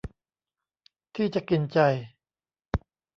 ที่จะกินใจ